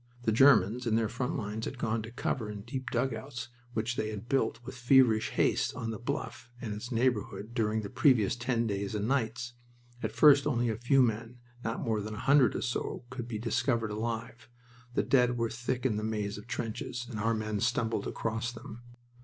The Germans, in their front lines, had gone to cover in deep dugouts which they had built with feverish haste on the Bluff and its neighborhood during the previous ten days and nights. At first only a few men, not more than a hundred or so, could be discovered alive. The dead were thick in the maze of trenches, and our men stumbled across them.